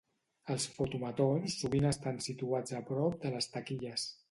Els fotomatons sovint estan situats a prop de les taquilles.